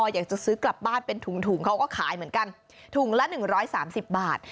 อยากจะซื้อกลับบ้านเป็นถุงเขาก็ขายเหมือนกันถุงละ๑๓๐บาท